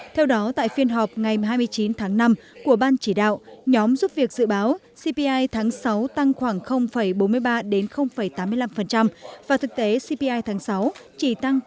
theo đó tại phiên họp ngày hai mươi chín tháng năm của ban chỉ đạo nhóm giúp việc dự báo cpi tháng sáu tăng khoảng bốn mươi ba đến tám mươi năm và thực tế cpi tháng sáu chỉ tăng bốn